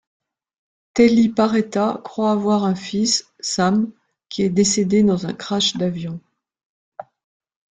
Telly Paretta croit avoir un fils, Sam, qui est décédé dans un crash d'avion.